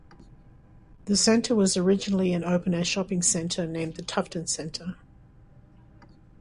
The centre was originally an open-air shopping area named The Tufton Centre.